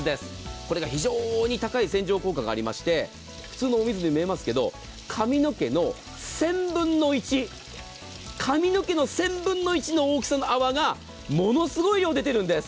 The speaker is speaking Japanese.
これが非常に高い洗浄効果がありまして普通のお水に見えますけど髪の毛の１０００分の１の大きさの泡がものすごい量で出るんです。